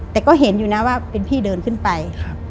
แต่ก็เห็นอยู่นะว่าเป็นพี่เดินขึ้นไป